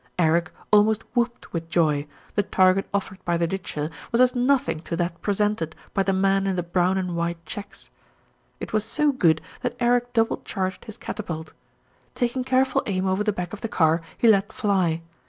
Eric almost whooped with joy, the target offered by the ditcher was as nothing to that presented by the man in the brown and white checks. It was so good that Eric double charged his catapult. Taking careful aim over the back of the car, he let fly.